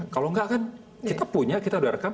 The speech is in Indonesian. kalau enggak kan kita punya kita udah rekam